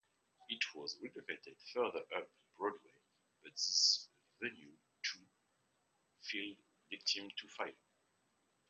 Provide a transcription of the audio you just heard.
It was relocated further up Broadway, but this venue too, fell victim to fire.